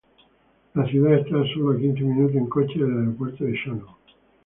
La ciudad está a solo quince minutos en coche del Aeropuerto de Shannon.